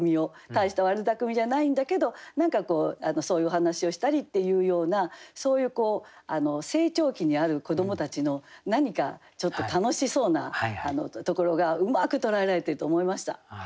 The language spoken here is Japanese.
大した悪だくみじゃないんだけど何かそういうお話をしたりっていうようなそういう成長期にある子どもたちの何かちょっと楽しそうなところがうまく捉えられてると思いました。